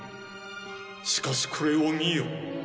しかしこれを見よ。